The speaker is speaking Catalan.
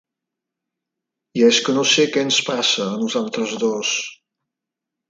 I és que no sé què ens passa a nosaltres dos.